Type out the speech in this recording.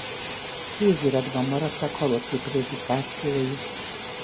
Kéziratban maradtak halotti prédikációi.